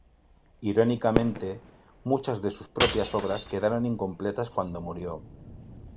Irónicamente, muchas de sus propias obras quedaron incompletas cuando murió.